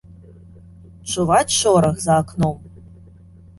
Чуваць шорах за акном.